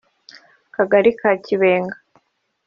Akagari ka Kibenga